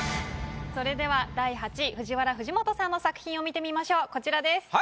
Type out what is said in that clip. それでは第８位ＦＵＪＩＷＡＲＡ・藤本さんの作品を見てみましょうこちらです。